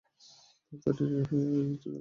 তাড়াতাড়ি রেডি হয়ে আয়, ঠিক আছে?